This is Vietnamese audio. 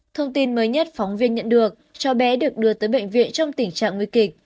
thông tin mới nhất phóng viên nhận được cho bé được đưa tới bệnh viện trong tình trạng nguy kịch